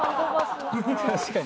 確かに。